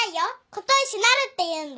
琴石なるっていうんだ。